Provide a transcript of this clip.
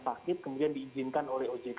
sakit kemudian diizinkan oleh ojk